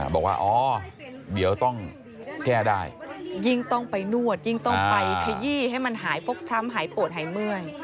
บอกว่าอ๋อเดี๋ยวต้องแก้ได้ยิ่งต้องไปนวดยิ่งต้องไปขยี้ให้มันหายฟกช้ำหายปวดหายเมื่อย